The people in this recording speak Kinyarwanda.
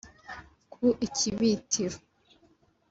Ku ikibitiro